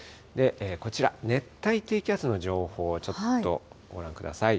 こちら、熱帯低気圧の情報をちょっとご覧ください。